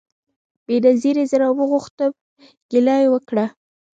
بېنظیري زه راوغوښتم ګیله یې وکړه